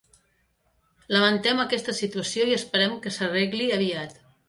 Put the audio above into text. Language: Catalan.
Lamentem aquesta situació i esperem que s'arregli aviat.